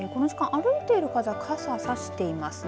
歩いている人は傘差していますね。